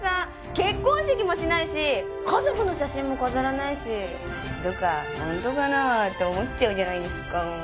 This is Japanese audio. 結婚式もしないし家族の写真も飾らないしどっかホントかなって思っちゃうじゃないですか